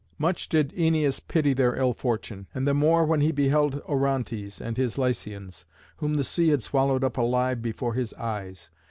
Much did Æneas pity their ill fortune, and the more when he beheld Orontes and his Lycians, whom the sea had swallowed up alive before his eyes.